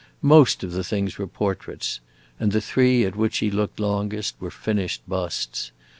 Most of the things were portraits; and the three at which he looked longest were finished busts.